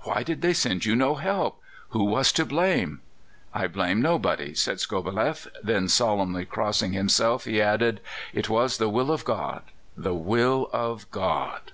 "Why did they send you no help? Who was to blame?" "I blame nobody," said Skobeleff; then solemnly crossing himself, he added: "It was the will of God the will of God!"